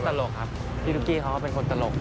ตลกครับพี่ตุ๊กกี้เขาก็เป็นคนตลก